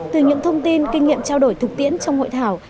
từ những thông tin kinh nghiệm trao đổi thực tiễn trong hội thảo